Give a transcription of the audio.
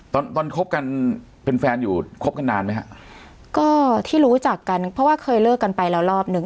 ตอนตอนคบกันเป็นแฟนอยู่คบกันนานไหมฮะก็ที่รู้จักกันเพราะว่าเคยเลิกกันไปแล้วรอบหนึ่ง